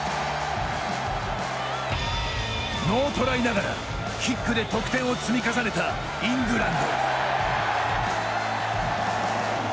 ノートライながらキックで得点を積み重ねたイングランド。